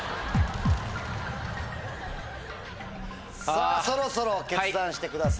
さぁそろそろ決断してください。